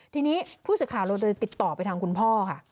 ทีนี้ผู้สื่อข่าวเราเลยติดต่อไปทางคุณพ่อค่ะ